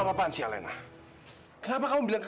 nomor yang ada tujuh tidak dapat dihubungi